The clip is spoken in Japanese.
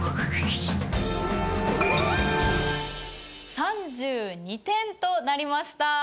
３２点となりました。